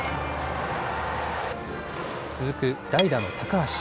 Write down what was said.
続く代打の高橋。